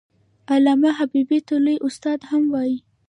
علامه حبيبي ته لوى استاد هم وايي.